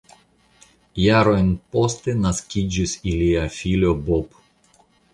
Jarojn poste naskiĝis ilia filo Bob.